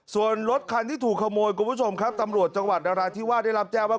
ส่วนรถคันที่ถูกขโมยคุณผู้ชมครับตำรวจจังหวัดนราธิวาสได้รับแจ้งว่า